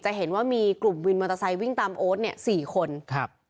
เห็นว่ามีกลุ่มวินมอเตอร์ไซค์วิ่งตามโอ๊ตเนี่ยสี่คนครับ